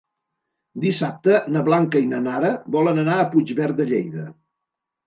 Dissabte na Blanca i na Nara volen anar a Puigverd de Lleida.